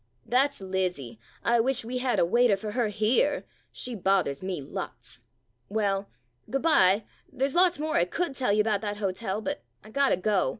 That 's Lizzie — I wish we had a waiter for her here — she bothers me lots. Well, good by — there's lots more I could tell you 'bout that hotel, but I got to go.